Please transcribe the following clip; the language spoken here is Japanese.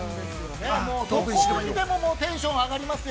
◆どこを見てもテンションが上がりますよ。